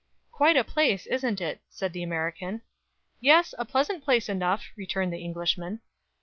"Quite a place, isn't it?" said the American. "Yes, a pleasant place enough," returned the Englishman.